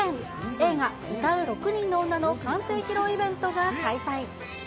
映画、唄う六人の女の完成披露イベントが開催。